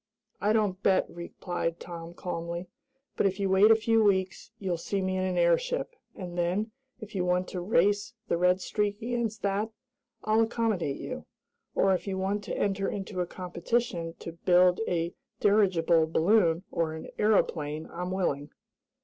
"I don't bet," replied Tom calmly, "but if you wait a few weeks you'll see me in an airship, and then, if you want to race the Red Streak against that, I'll accommodate you. Or, if you want to enter into a competition to build a dirigible balloon or an aeroplane I'm willing."